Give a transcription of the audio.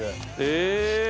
へえ！